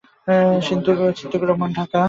Siddiqur Rahman, Dhaka.